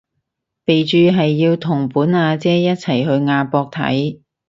備註係要同本阿姐一齊去亞博睇